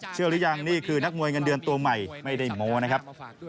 หรือยังนี่คือนักมวยเงินเดือนตัวใหม่ไม่ได้โม้นะครับ